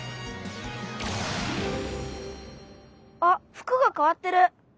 あ服がかわってる。